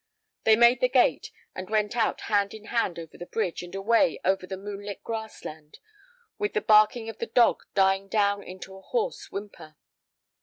They made the gate, and went out hand in hand over the bridge and away over the moonlit grass land, with the barking of the dog dying down into a hoarse whimper.